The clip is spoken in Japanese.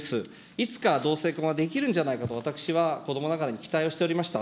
いつか同性婚はできるんじゃないかと私はこどもながらに期待をしておりました。